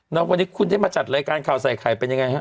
แล้ววันนี้คุณได้มาจัดรายการข่าวใส่ไข่เป็นยังไงฮะ